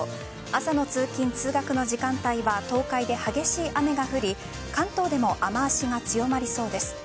朝の通勤、通学の時間帯は東海で激しい雨が降り関東でも雨脚が強まりそうです。